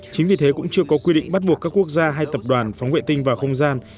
chính vì thế cũng chưa có quy định bắt buộc các quốc gia hay tập đoàn phóng vệ tinh vào không gian